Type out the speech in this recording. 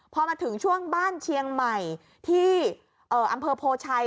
พอมาถึงช่วงบ้านเชียงใหม่ที่อำเภอโพชัย